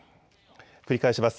繰り返します。